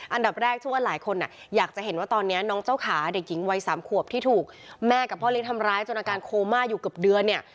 อันดับแรกเชื่อว่าหลายคนอยากจะเห็นว่าตอนนี้น้องเจ้าขาเด็กหญิงวัย๓ขวบที่ถูกแม่กับพ่อเลี้ยงทำร้ายจนอาการโคม่าอยู่เกือบเดือนเนี่ย